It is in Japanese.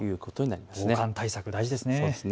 防寒対策、大事ですね。